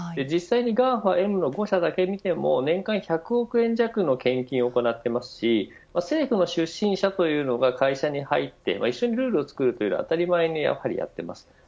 実際にＧＡＦＡＭの５社だけでも、年間１００億円の献金を行っていますし政府の出身者が会社に入って一緒にルールをつくるというのが当たり前です。